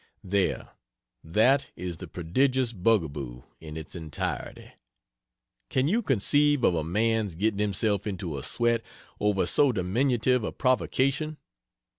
There that is the prodigious bugaboo, in its entirety! Can you conceive of a man's getting himself into a sweat over so diminutive a provocation?